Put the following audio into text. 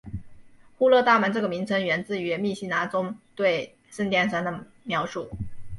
户勒大门这个名称源自于密西拿中对圣殿山的描述。